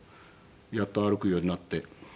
やっと歩くようになって。